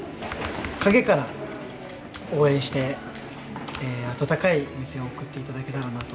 陰から応援して、温かい目線を送っていただけたらなと。